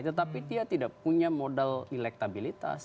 tetapi dia tidak punya modal elektabilitas